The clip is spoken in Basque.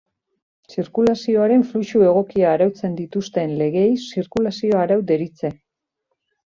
Zirkulazioaren fluxu egokia arautzen dituzten legeei zirkulazio arau deritze.